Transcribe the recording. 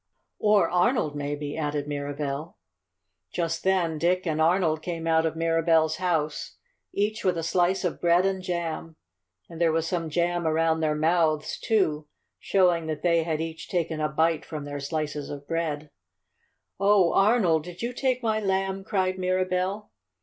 "Or Arnold, maybe," added Mirabell. Just then Dick and Arnold came out of Mirabell's house, each with a slice of bread and jam, and there was some jam around their mouths, too, showing that they had each taken a bite from their slices of bread. "Oh, Arnold, did you take my Lamb!" cried Mirabell.